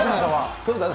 そうだね。